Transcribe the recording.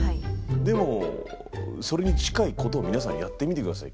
でもそれに近いことを皆さんやってみて下さい。